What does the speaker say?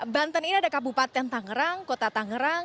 banten ini ada kabupaten tangerang kota tangerang